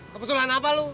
kebetulan apa lu